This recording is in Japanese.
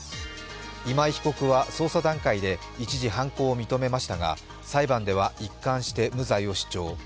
今井被告は捜査段階で、一時、犯行を認めましたが裁判では一貫して無罪を主張。